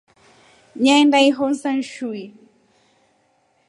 Nyaenda ihonsa nshui.